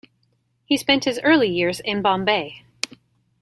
He spent his early years in Bombay.